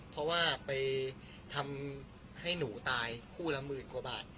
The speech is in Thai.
เพราะว่าไปทำให้หนูตายคู่ละหมื่นกว่าบาท